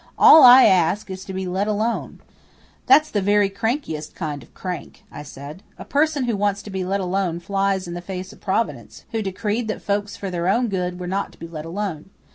"All I ask is to be let alone." "That's the very crankiest kind of crank," I said. "A person who wants to be let alone flies in the face of Providence, who decreed that folks for their own good were not to be let alone.